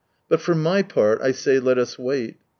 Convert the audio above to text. But for my part, I say let us wait.